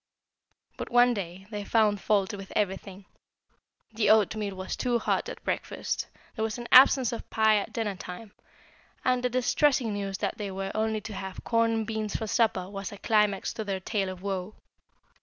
"But one day they found fault with everything. The oatmeal was too hot at breakfast, there was an absence of pie at dinner time; and the distressing news that they were only to have corn and beans for supper was a climax to their 'tale of woe.'